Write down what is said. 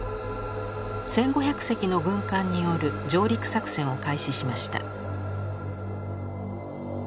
１，５００隻の軍艦による上陸作戦を開始しました。